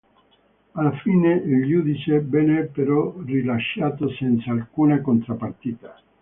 Alla fine il giudice venne però rilasciato senza alcuna contropartita.